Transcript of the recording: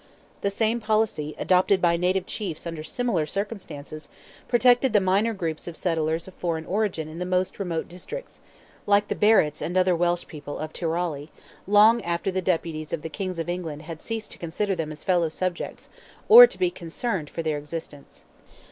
The same policy, adopted by native chiefs under similar circumstances, protected the minor groups of settlers of foreign origin in the most remote districts—like the Barretts and other Welsh people of Tyrawley—long after the Deputies of the Kings of England had ceased to consider them as fellow subjects, or to be concerned for their existence.